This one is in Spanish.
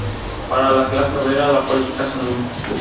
Para la clase obrera, la política es un lujo.